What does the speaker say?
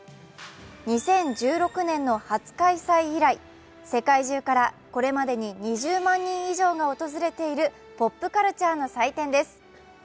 ２０１６年の初開催以来、世界中からこれまでに２０万人以上が訪れているポップカルチャーの祭典です。